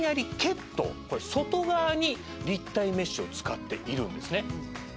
これ外側に立体メッシュを使っているんですね。